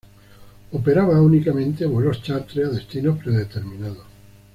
Operaba únicamente vuelos chárter a destinos predeterminados.